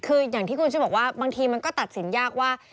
คืออย่างที่คุณชุดบอกว่าบางทีมันก็ตัดสินยากว่า